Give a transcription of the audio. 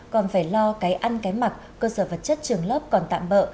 còn phải lo cái ăn cái mặc cơ sở vật chất trường lớp còn tạm bỡ